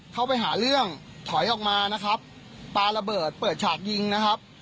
เข้าไปหาเรื่องถอยออกมานะครับปลาระเบิดเปิดฉากยิงนะครับ